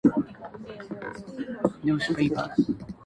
自己的新聞自己報